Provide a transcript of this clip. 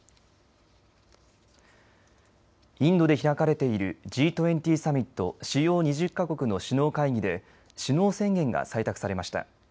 インドで開かれているＧ２０サミット＝主要２０か国の首脳会議で首脳宣言が採択されました。